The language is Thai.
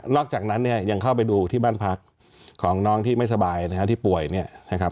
อกจากนั้นเนี่ยยังเข้าไปดูที่บ้านพักของน้องที่ไม่สบายนะฮะที่ป่วยเนี่ยนะครับ